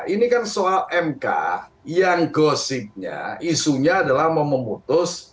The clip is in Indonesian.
ini kan soal mk yang gosipnya isunya adalah mau memutus